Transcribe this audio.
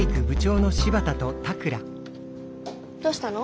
どうしたの？